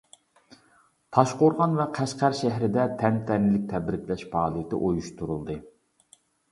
تاشقورغان ۋە قەشقەر شەھىرىدە تەنتەنىلىك تەبرىكلەش پائالىيىتى ئۇيۇشتۇرۇلدى.